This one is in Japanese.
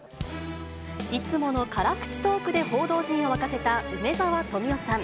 いつもの辛口トークで報道陣を沸かせた梅沢富美男さん。